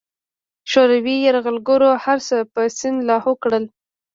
شوروي یرغلګرو هرڅه په سیند لاهو کړل.